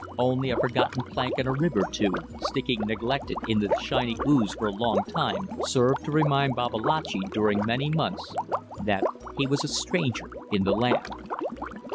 Only a forgotten plank and a rib or two, sticking neglected in the shiny ooze for a long time, served to remind Babalatchi during many months that he was a stranger in the land.